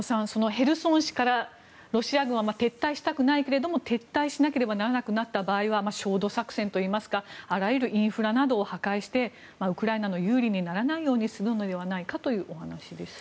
ヘルソン市からロシア軍は撤退したくないけれども撤退しなければならなくなった場合は焦土作戦といいますかあらゆるインフラなどを破壊してウクライナの有利にならないようにするのではないかというお話です。